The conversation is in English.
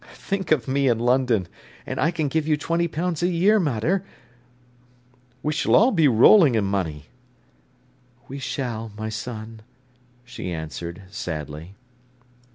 Think of me in London! And I can give you twenty pounds a year, mater. We s'll all be rolling in money." "We shall, my son," she answered sadly.